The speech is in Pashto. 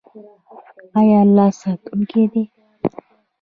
آیا الله ساتونکی دی؟